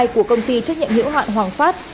của công ty trách nhiệm hiệu hoạn hoàng phát